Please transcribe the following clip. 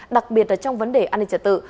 đặc biệt là trong vấn đề an ninh trật tự